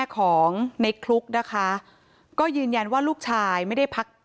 เพราะว่าลูกชายไม่ได้พัก